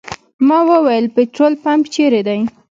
ما وویل پټرول پمپ چېرې دی.